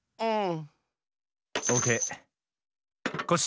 うん？